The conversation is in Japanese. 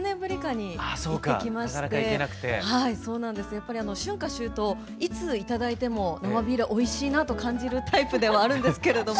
やっぱり春夏秋冬いつ頂いても生ビールはおいしいなと感じるタイプではあるんですけれども。